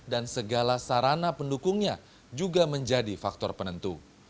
dan segala sarana pendukungnya juga menjadi faktor penentu